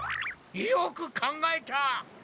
よく考えた！